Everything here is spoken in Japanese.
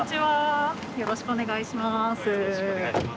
よろしくお願いします。